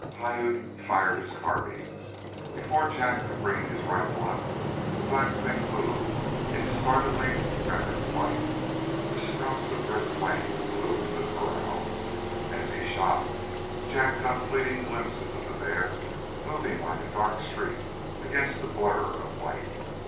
Piute fired his carbine. Before Jack could bring his rifle up the black thing moved into startlingly rapid flight. Then spouts of red flame illumined the corral. As he shot, Jack got fleeting glimpses of the bear moving like a dark streak against a blur of white.